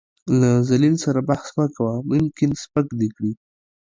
له ذليل سره بحث مه کوه ، ممکن سپک دې کړي .